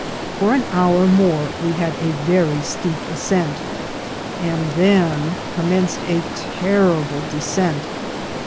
For an hour more we had a very steep ascent, and then commenced a terrible descent.